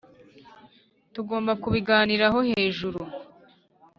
tugomba kubiganiraho hejuru.